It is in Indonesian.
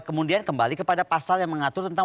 kemudian kembali kepada pasal yang mengatur tentang